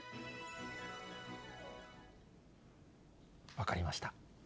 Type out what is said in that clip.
分かりました。